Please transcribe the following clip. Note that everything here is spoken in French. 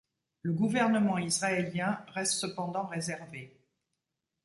Le gouvernement israélien reste cependant réservé.